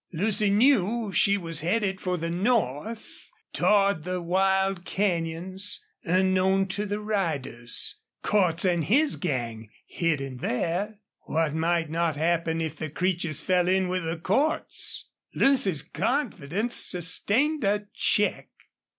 Lucy knew she was headed for the north, toward the wild canyons, unknown to the riders. Cordts and his gang hid in there. What might not happen if the Creeches fell in with Cordts? Lucy's confidence sustained a check.